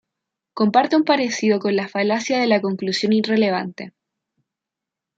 Comparte un parecido con la falacia de la conclusión irrelevante.